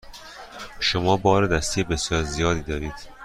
شما بار دستی بسیار زیادی دارید.